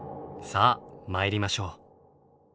さあ参りましょう。